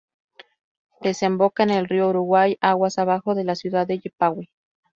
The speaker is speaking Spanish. Desemboca en el río Uruguay aguas abajo de la ciudad de Yapeyú.